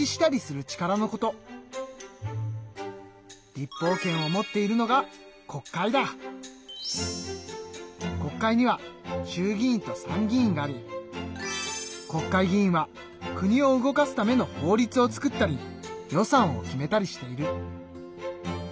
立法権を持っているのが国会には衆議院と参議院があり国会議員は国を動かすための法律を作ったり予算を決めたりしている。